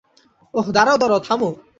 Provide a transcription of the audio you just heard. ওহ, দাঁড়াও, দাঁড়াও, থামো।